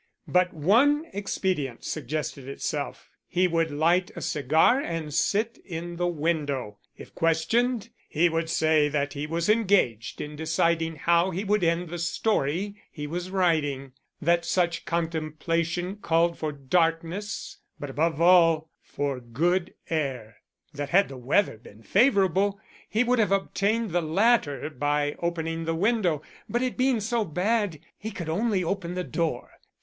But one expedient suggested itself. He would light a cigar and sit in the window. If questioned he would say that he was engaged in deciding how he would end the story he was writing; that such contemplation called for darkness but above all for good air; that had the weather been favorable he would have obtained the latter by opening the window; but it being so bad he could only open the door.